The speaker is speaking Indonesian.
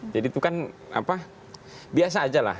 jadi itu kan biasa aja lah